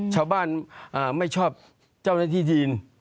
ชาวบ้านไม่ชอบเจ้าหน้าที่จีน